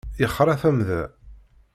Yexra tamda.